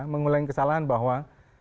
mengulangi kesalahan bahwa